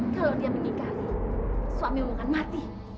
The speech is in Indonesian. kalau dia meninggali suami aku akan mati